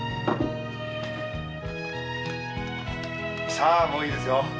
さあもういいですよ。